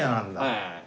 はい。